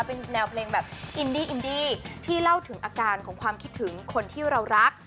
เป็นแนวเพลงแบบอินดี้อินดี้ที่เล่าถึงอาการของความคิดถึงคนที่เรารัก